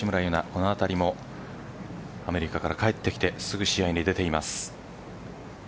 このあたりもアメリカから帰ってきてすぐ試合に出ています。